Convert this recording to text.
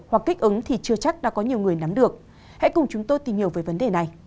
hoặc kích ứng thì chưa chắc đã có nhiều người nắm được hãy cùng chúng tôi tìm hiểu về vấn đề này